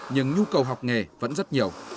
nhưng nhu cầu học nghề vẫn rất nhiều